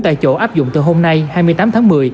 tại chỗ áp dụng từ hôm nay hai mươi tám tháng một mươi